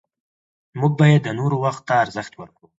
موږ باید د نورو وخت ته ارزښت ورکړو